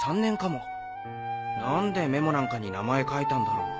何でメモなんかに名前書いたんだろう。